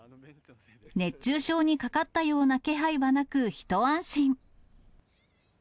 熱中症にかかったような気配はなく、一安心。